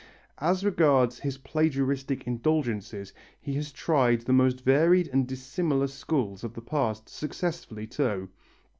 As regards his plagiaristic indulgences, he has tried the most varied and dissimilar schools of the past, successfully too.